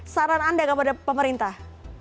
saran anda kepada pemerintah